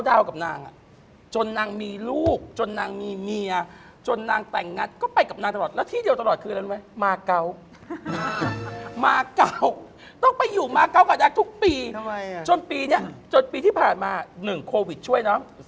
สองหนึ่งก็พี่หนุ่มช่วยใช่คำว่าโควิดช่วย